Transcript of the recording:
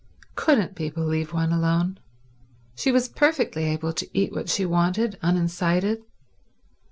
Couldn't people leave one alone? She was perfectly able to eat what she wanted unincited.